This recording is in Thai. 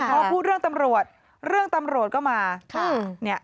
พอพูดเรื่องตำรวจเรื่องตำรวจก็มา